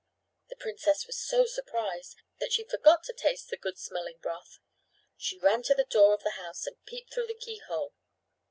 The princess was so surprised that she forgot to taste the good smelling broth. She ran to the door of the house and peeped through the keyhole.